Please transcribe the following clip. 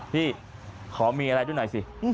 พี่ขอมีอะไรด้วยหน่อยสิ